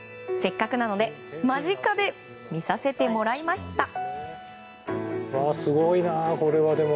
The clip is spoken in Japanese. せっかくなので間近で見させてもらいました。